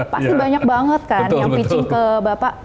pasti banyak banget kan yang pitching ke bapak